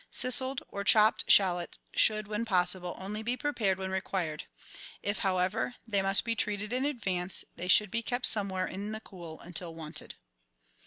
Ciseled or chopped shallots should, when possible, only be prepared when required; if, however, they must be treated in advance, they should be kept somewhere in the cool until wanted.